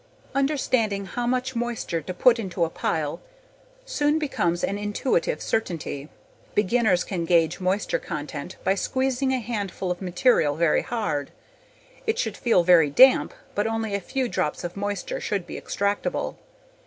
Understanding how much moisture to put into a pile soon becomes an intuitive certainty. Beginners can gauge moisture content by squeezing a handful of material very hard. It should feel very damp but only a few drops of moisture should be extractable.